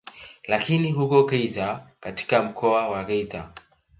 Lakini huko Geita katika mkoa wa Geita